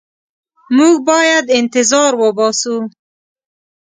موږ باید انتظار وباسو.